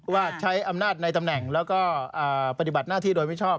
ว่าใช้อำนาจในตำแหน่งแล้วก็ปฏิบัติหน้าที่โดยมิชอบ